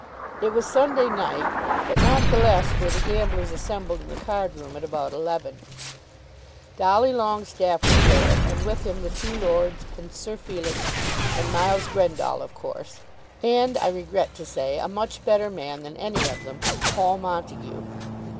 It was Sunday night; but not the less were the gamblers assembled in the card room at about eleven. Dolly Longestaffe was there, and with him the two lords, and Sir Felix, and Miles Grendall of course, and, I regret to say, a much better man than any of them, Paul Montague.